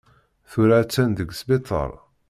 Tura attan deg sbiṭar.